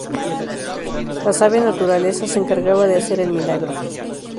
La sabia naturaleza se encargaba de hacer el milagro.